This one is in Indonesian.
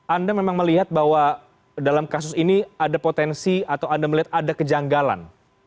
anda memang melihat bahwa dalam kasus ini ada potensi atau anda melihat ada kejanggalan